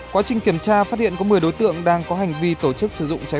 quá trình kiểm tra phát hiện có một mươi đối tượng đang có hành vi tổ chức